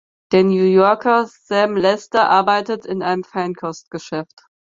Der New Yorker Sam Lester arbeitet in einem Feinkostgeschäft.